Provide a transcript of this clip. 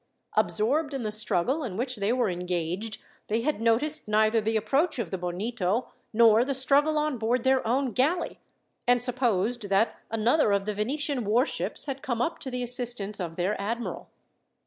Absorbed in the struggle in which they were engaged, they had noticed neither the approach of the Bonito, nor the struggle on board their own galley, and supposed that another of the Venetian warships had come up to the assistance of their admiral.